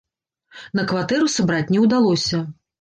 На кватэру сабраць не ўдалося.